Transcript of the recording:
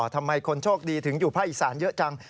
ทำไมคนโชคดีถึงอยู่ภาคอีสานเยอะจัง